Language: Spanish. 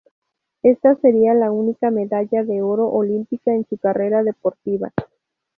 Ésta sería la única medalla de oro olímpica en su carrera deportiva.